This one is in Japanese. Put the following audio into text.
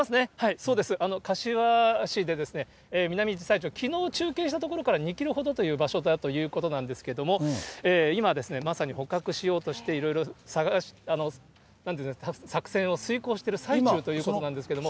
そうです、柏市で、ミナミジサイチョウ、きのう中継した所から２キロほどという場所だということなんですけれども、今ですね、まさに捕獲しようとしていろいろなんていうんですか、作戦を遂行している最中ということなんですけれども。